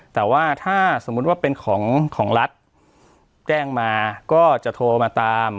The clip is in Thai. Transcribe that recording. แต่ว่าถ้าสมมุติว่าเป็นของของรัฐแจ้งมาก็จะโทรมาตาม